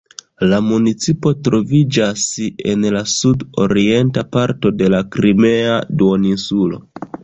La municipo troviĝas en la sud-orienta parto de la Krimea duoninsulo.